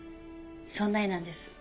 そんな絵なんです。